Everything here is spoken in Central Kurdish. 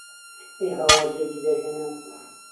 ئهی هاوار جهرگی دهرهێنام